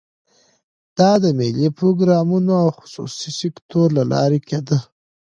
دا د ملي پروګرامونو او خصوصي سکتور له لارې کېده.